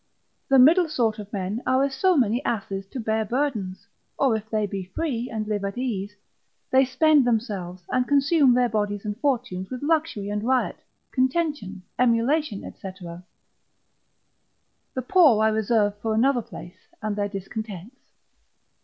The middle sort of men are as so many asses to bear burdens; or if they be free, and live at ease, they spend themselves, and consume their bodies and fortunes with luxury and riot, contention, emulation, &c. The poor I reserve for another place and their discontents.